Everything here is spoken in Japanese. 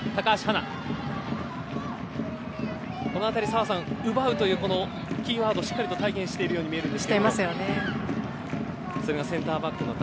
澤さん、奪うというキーワードをしっかり体現しているように見えるんですけれども。